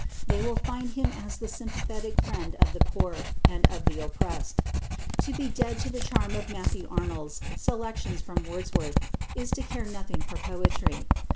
They will find him as the sympathetic friend of the poor and of the oppressed. To be dead to the charm of Matthew Arnold's "Selections from Wordsworth" is to care nothing for poetry.